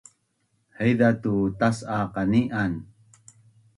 Haiza tu tas’a qani’an